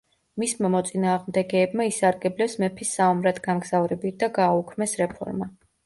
მისმა მოწინააღმდეგეებმა ისარგებლეს მეფის საომრად გამგზავრებით და გააუქმეს რეფორმა.